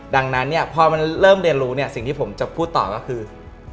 ดังนั้นพอเริ่มเรียนรู้สิ่งที่ผมจะพูดต่อก็คือ